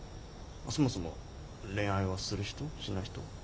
そもそも恋愛はする人？しない人？